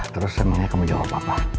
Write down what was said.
terus emangnya kamu jawab apa apa